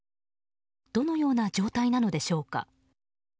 どのような状態なのでしょうか。